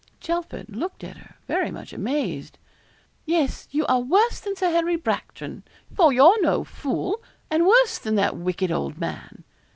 Chelford looked at her, very much amazed. 'Yes; you are worse than Sir Harry Bracton for you're no fool; and worse than that wicked old man.